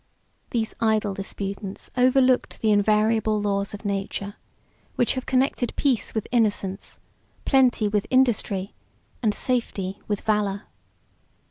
These idle disputants overlooked the invariable laws of nature, which have connected peace with innocence, plenty with industry, and safety with valor.